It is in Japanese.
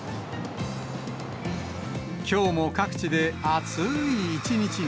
きょうも各地で暑ーい一日に。